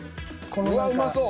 うわうまそう！